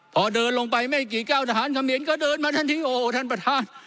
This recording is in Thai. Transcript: พอเดินลงไปไม่กี่เก้าทหารเขมรก็เดินมาทันทีโอ้โหท่านประธาน